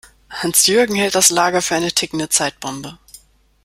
Hans-Jürgen hält das Lager für eine tickende Zeitbombe.